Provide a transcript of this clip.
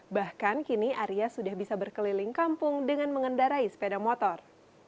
bahkan kini arya sudah bisa berkeliling kampung dengan mengendarai sepeda motor